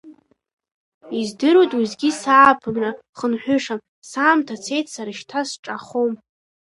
Издыруеит уеизгьы сааԥынра хынҳәышам, саамҭа цеит сара шьҭа сҿахом.